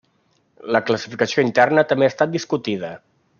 La classificació interna també ha estat discutida.